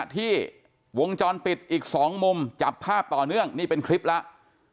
ที่วงจรปิดอีก๒มุมจับภาพต่อเนื่องนี่เป็นคลิปแล้ว